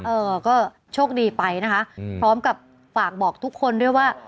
เออก็โชคดีไปนะคะพร้อมกับฝากบอกทุกคนด้วยว่า